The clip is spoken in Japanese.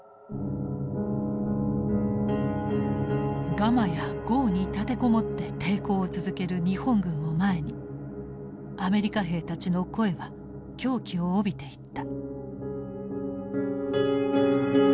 ガマや壕に立て籠もって抵抗を続ける日本軍を前にアメリカ兵たちの声は狂気を帯びていった。